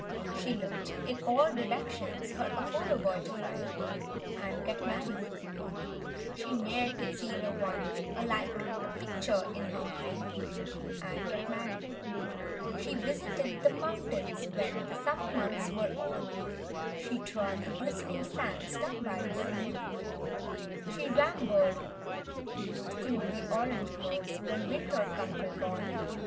She looked in all directions her Apollo boy to find— And get married; She ne'er could see the one alike the picture in her mind— And get married; She visited the mountains when the summer months were on; She trod the glist'ning sands down by the sea; She rambled through the orange groves when win¬ ter'd come, till gone.